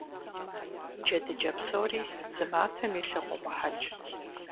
Джэдыкӏэ псори зы матэм илъу къыумыхьэкӏ.